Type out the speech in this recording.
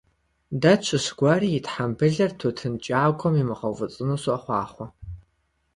Дэ тщыщ гуэри и тхьэмбылыр тутын кӀагъуэм имыгъэуфӀыцӀыну сохъуахъуэ!